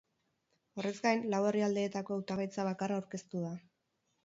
Horrez gain, lau herrialdeetako hautagaitza bakarra aurkeztu da.